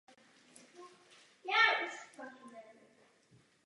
Za nástupišti se spojují nejdříve střední a vnější kolej a později i vnitřní.